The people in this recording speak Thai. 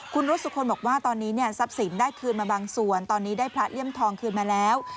คุณรสสุคลบอกว่าตอนนี้เนี่ยทรัพย์สินได้คืนมาบางส่วนตอนนี้ได้พระเลี่ยมทองคืนมาแล้ว